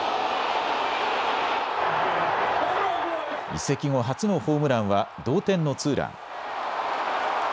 移籍後初のホームランは同点のツーラン。